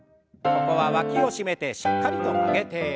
ここはわきを締めてしっかりと曲げて。